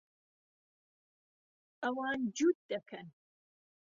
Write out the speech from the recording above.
ئەوان جووت دەکەن.